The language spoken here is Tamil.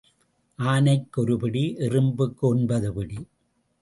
ஆனைக்கு ஒரு பிடி எறும்புக்கு ஒன்பது பிடி.